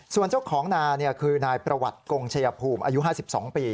ส่วนเจ้าของนาคือนายประวัติกงชัยภูมิอายุ๕๒ปี